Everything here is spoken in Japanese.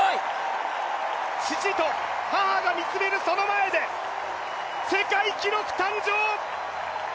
父と母が見つめるその前で世界記録誕生！